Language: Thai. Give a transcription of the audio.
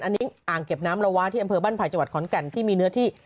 อันนี้อ่างเก็บน้ำระวะที่อำเภอบ้านไผ่จังหวัดขอนแก่นที่มีเนื้อที่